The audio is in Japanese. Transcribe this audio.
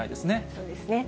そうですね。